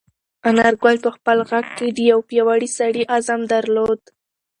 انارګل په خپل غږ کې د یو پیاوړي سړي عزم درلود.